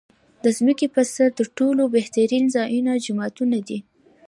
د ځمکې پر سر تر ټولو بهترین ځایونه جوماتونه دی .